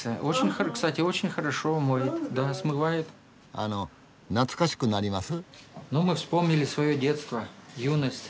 あの懐かしくなります？